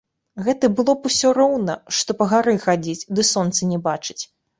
Гэта было б усё роўна, што па гары хадзіць, ды сонца не бачыць.